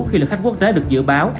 khi lực khách quốc tế được dự báo